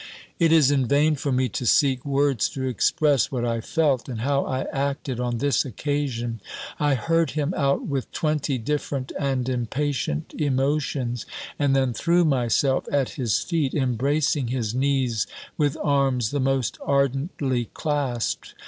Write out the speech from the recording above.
It is in vain for me to seek words to express what I felt, and how I acted, on this occasion. I heard him out with twenty different and impatient emotions; and then threw myself at his feet, embracing his knees, with arms the most ardently clasped!